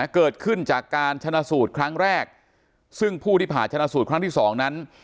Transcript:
เกิดขึ้นจากการชนะสูตรครั้งแรกซึ่งผู้ที่ผ่าชนะสูตรครั้งที่สองนั้น